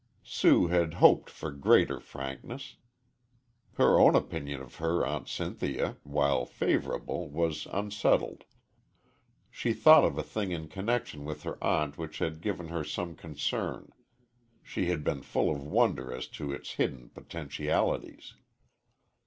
Sue had hoped for greater frankness. Her own opinion of her Aunt Cynthia, while favorable, was unsettled. She thought of a thing in connection with her aunt which had given her some concern. She had been full of wonder as to its hidden potentialities.